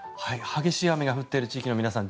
激しい雨が降っている地域の皆さん